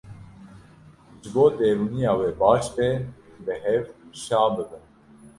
Ji bo derûniya we baş be, bi hev şa bibin.